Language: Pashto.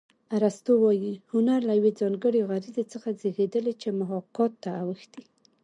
ارستو وايي هنر له یوې ځانګړې غریزې څخه زېږېدلی چې محاکات ته اوښتې